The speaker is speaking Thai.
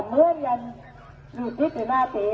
มื้ออย่างรู้สึกในหน้าเขียน